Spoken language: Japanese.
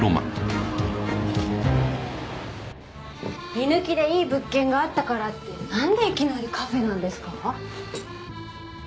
居抜きでいい物件があったからってなんでいきなりカフェなんですか？